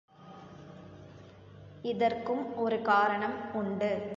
இதற்கும் ஒரு காரணம் உண்டு.